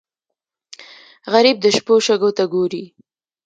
غریب د شپو شګو ته ګوري